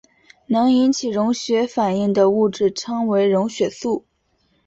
能引起溶血反应的物质称为溶血素。